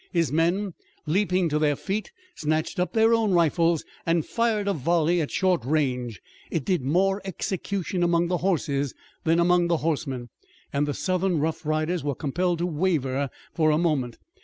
His men, leaping to their feet, snatched up their own rifles and fired a volley at short range. It did more execution among the horses than among the horsemen, and the Southern rough riders were compelled to waver for a moment.